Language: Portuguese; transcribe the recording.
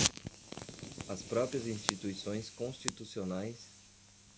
as próprias instituições constitucionais